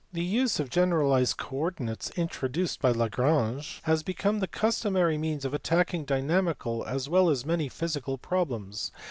The use of generalized coordinates, intro duced by Lagrange (see above, p. 409), has become the custo mary means of attacking dynamical (as well as many physical) problems.